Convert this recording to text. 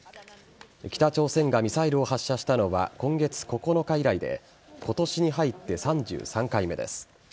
北朝鮮がミサイルを発射したのは今月９日以来で今年に入って３３回目です。